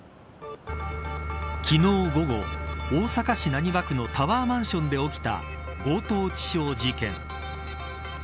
昨日午後、大阪市浪速区のタワーマンションで起きた強盗致傷事件。